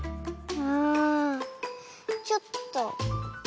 うんちょっと。